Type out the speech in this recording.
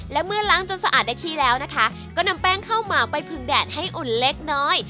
และเมื่อล้างจนสะอาดได้ที่แล้วนะคะก็นำแป้งข้าวหมากไปพึงแดดให้อุ่นเล็กน้อย